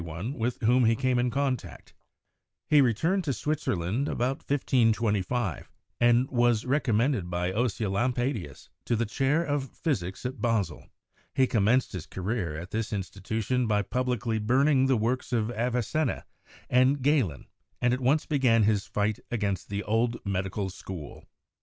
64 CHEMISTRY came in contact. He returned to Switzerland about 1525, and was recommended by Oecolampadius to the chair of physic at Basel. He commenced his career at this insti tution by publicly burning the works of Avicenna and Galen, and at once began his fight against the old medical school.